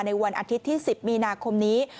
วันอาทิตย์ที่๑๐มีนาคมนี้